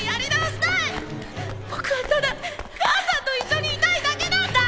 ぼくはただ母さんといっしょにいたいだけなんだ！